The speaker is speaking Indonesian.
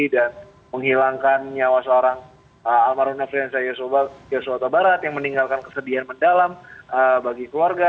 dan menghilangkan nyawa seorang amaruna friense yosobo yosobo tabarat yang meninggalkan kesedihan mendalam bagi keluarga